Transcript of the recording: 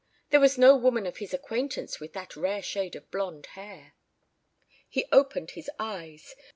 There was no woman of his acquaintance with that rare shade of blonde hair. He opened his eyes.